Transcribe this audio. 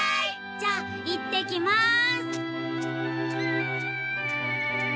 じゃあ行ってきます。